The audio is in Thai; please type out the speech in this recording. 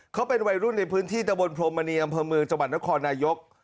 เขาเป็นวัยรุ่นในพื้นที่ตะบนพรมมณีอำเภอเมืองจังหวัดนครนายก